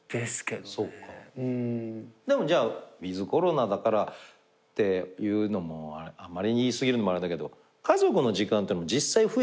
じゃあウィズコロナだからっていうのもあまり言い過ぎるのもあれだけど家族の時間っていうのも実際増えてるじゃん。